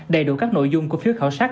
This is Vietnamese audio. đầy đủ các nội dung của phiếu khảo sát